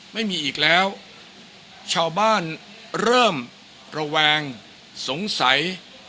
ไม่มีอีกแล้วชาวบ้านเริ่มระแวงสงสัย